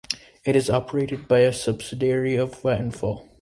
It is operated by a subsidiary of Vattenfall.